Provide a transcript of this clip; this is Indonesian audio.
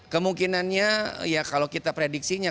kemungkinannya ya kalau kita prediksinya